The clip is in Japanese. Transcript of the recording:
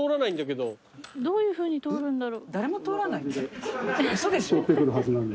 どういうふうに通るんだろう。